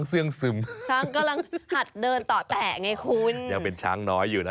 คือมันยังเหมือน